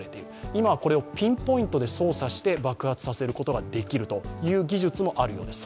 今はこれをピンポイントで操作して爆発させることができる技術もあるそうです。